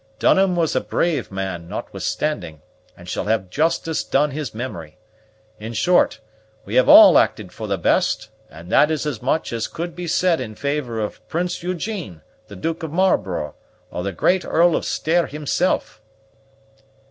Dunham was a brave man, notwithstanding, and shall have justice done his memory. In short, we have all acted for the best, and that is as much as could be said in favor of Prince Eugene, the Duke of Marlborough, or the great Earl of Stair himself."